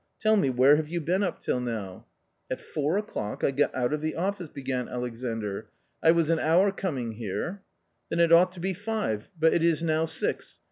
Tell me, where have you been up till now ?"" At four o'clock I got out of the office," began Alexandr ;" I was an hour coming here "" Then it ought to be five, but it is now six.